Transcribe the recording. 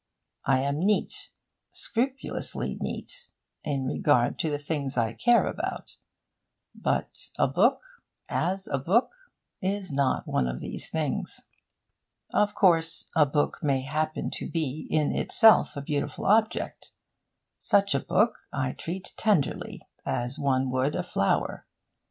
I am neat, scrupulously neat, in regard to the things I care about; but a book, as a book, is not one of these things. Of course, a book may happen to be in itself a beautiful object. Such a book I treat tenderly, as one would a flower.